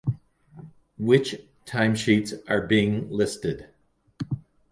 Which timesheets are being listed?